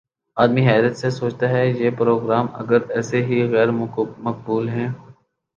آدمی حیرت سے سوچتا ہے: یہ پروگرام اگر ایسے ہی غیر مقبول ہیں